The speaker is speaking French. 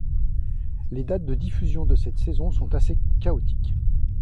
Les dates de diffusions de cette saison sont assez chaotiques.